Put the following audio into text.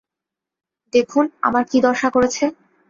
দেখুন, আমার কী দশা করেছে।